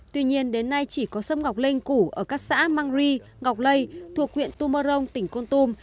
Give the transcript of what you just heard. tuy nhiên đến nay chỉ có sâm ngọc linh cũ ở các xã mang ri ngọc lây thuộc huyện tu mơ rông tỉnh côn tum